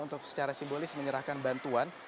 untuk secara simbolis menyerahkan bantuan